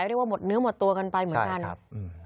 เรียกว่าหมดเนื้อหมดตัวกันไปเหมือนกันครับอืม